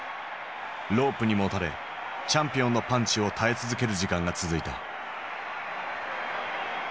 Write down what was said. ロープにもたれチャンピオンのパンチを耐え続ける時間が続いた。